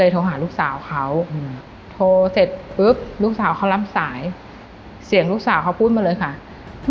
ก็เลยโทรหาลูกสาวเขาอืม